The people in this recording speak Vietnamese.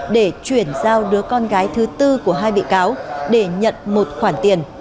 để chuyển giao đứa con gái thứ tư của hai bị cáo để nhận một khoản tiền